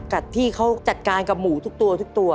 กับที่เขาจัดการกับหมูทุกตัว